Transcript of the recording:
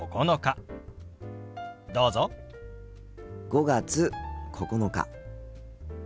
５月９日。